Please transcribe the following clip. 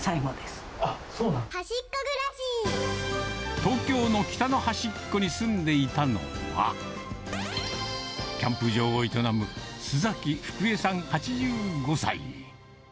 東京の北の端っこに住んでいたのは、キャンプ場を営む須崎フクエさん８５歳。